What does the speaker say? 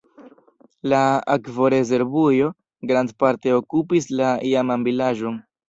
La akvorezervujo grandparte okupis la iaman vilaĝon.